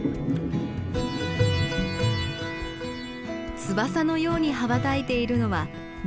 翼のように羽ばたいているのは胸びれ。